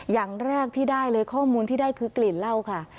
อย่างแรกที่ได้เลยข้อมูลที่ได้คือกลิ่นเหล้าค่ะ